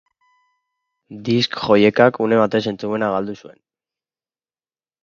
Disc-jockeyak une batez entzumena galdu zuen.